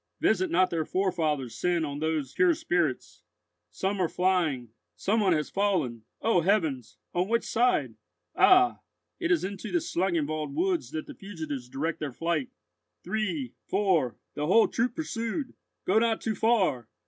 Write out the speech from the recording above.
Visit not their forefathers' sin on those pure spirits. Some are flying. Some one has fallen! O heavens! on which side? Ah! it is into the Schlangenwald woods that the fugitives direct their flight. Three—four—the whole troop pursued! Go not too far!